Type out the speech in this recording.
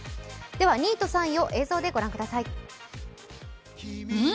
では、２位と３位を映像でご覧ください。